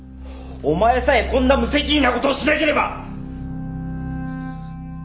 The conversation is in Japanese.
お前さえこんな無責任な事をしなければ！